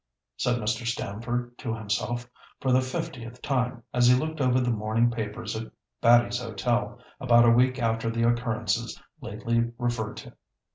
said Mr. Stamford to himself, for the fiftieth time, as he looked over the morning papers at Batty's Hotel, about a week after the occurrences lately referred to.